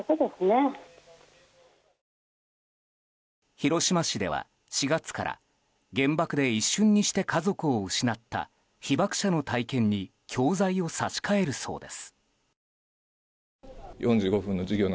広島市では４月から原爆で一瞬にして家族を失った被爆者の体験に教材を差し替えるそうです。